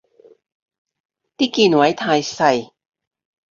啲鍵位太細